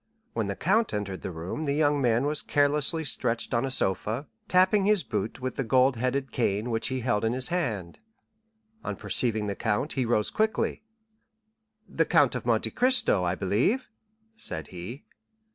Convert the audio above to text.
When the count entered the room the young man was carelessly stretched on a sofa, tapping his boot with the gold headed cane which he held in his hand. On perceiving the count he rose quickly. "The Count of Monte Cristo, I believe?" said he.